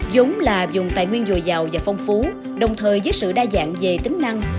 giống là dùng tài nguyên dồi dào và phong phú đồng thời với sự đa dạng về tính năng